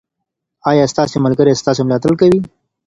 ایا ستاسې ملګري ستاسې ملاتړ کوي؟